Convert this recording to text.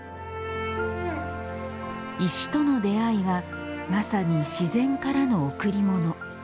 石との出会いはまさに自然からの贈り物。